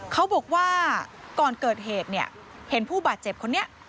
เขาบอกว่าก่อนเกิดเหตุเนี่ยเห็นผู้บาดเจ็บคนนี้